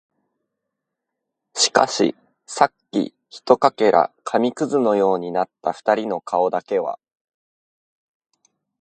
しかし、さっき一片紙屑のようになった二人の顔だけは、